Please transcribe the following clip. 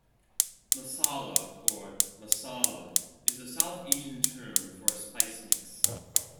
Masala or massala is a South Asian term for a spice mix.